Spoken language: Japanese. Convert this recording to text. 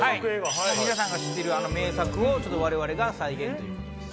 皆さんが知ってる名作を我々が再現ということです。